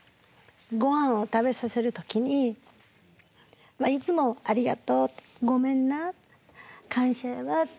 ごはんを食べさせる時にいつも「ありがとう。ごめんな感謝やわ」って。